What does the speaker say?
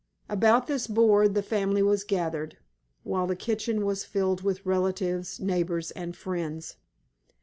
About this board the family was gathered, while the kitchen was filled with relatives, neighbors, and friends.